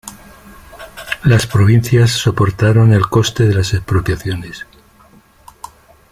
Las provincias soportaron el coste de las expropiaciones.